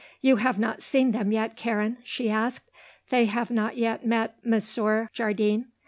"You have not seen them yet, Karen?" she asked. "They have not yet met Monsieur Jardine?"